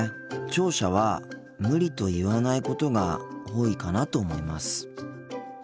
聴者は「無理」と言わないことが多いかなと思います。